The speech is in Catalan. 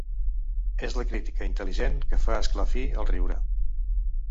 És la crítica intel·ligent que fa esclafir el riure.